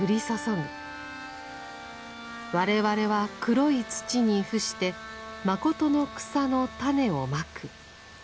我々は黒い土に伏して誠の草の種をまく。